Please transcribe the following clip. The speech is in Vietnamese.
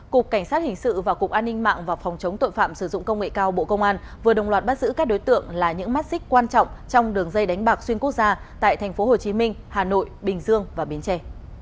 cục cảnh sát hình sự và cục an ninh mạng và phòng chống tội phạm sử dụng công nghệ cao bộ công an vừa đồng loạt bắt giữ các đối tượng là những mắt xích quan trọng trong đường dây đánh bạc xuyên quốc gia tại tp hcm hà nội bình dương và bến tre